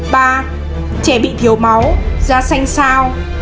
ba trẻ bị thiếu máu da xanh xao